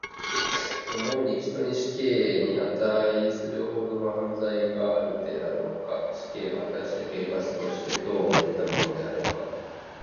思うに、人に死刑にあたいするほどの犯罪があるであろうか。死刑は、はたして刑罰として当をえたものであろうか。